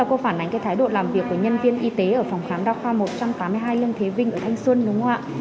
cô phản ánh cái thái độ làm việc của nhân viên y tế ở phòng khám đa khoa một trăm tám mươi hai lâm thế vinh ở thanh xuân đúng không ạ